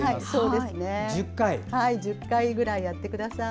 １０回ぐらいやってください。